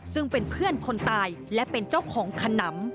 ซึ่งเป็นเพื่อนคนตายและเป็นเจ้าของขนำ